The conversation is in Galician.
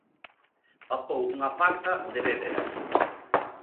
Papou unha farta de béveras.